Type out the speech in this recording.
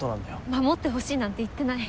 守ってほしいなんて言ってない。